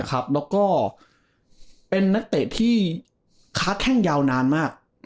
แล้วก็เป็นนักเตะที่ค้าแข้งยาวนานมาก